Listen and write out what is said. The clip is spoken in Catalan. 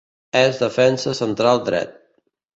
És defensa central dret.